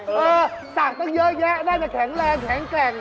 เออสั่งตั้งเยอะแยะน่าจะแข็งแรงแข็งแกร่ง